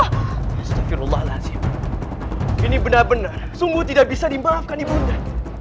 astagfirullahaladzim ini benar benar sungguh tidak bisa dimaafkan ibu nda